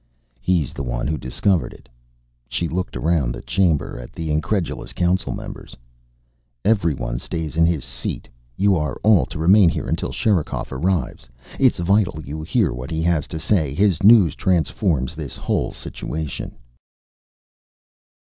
"He's the one who discovered it." She looked around the chamber at the incredulous Council members. "Everyone stay in his seat. You are all to remain here until Sherikov arrives. It's vital you hear what he has to say. His news transforms this whole situation."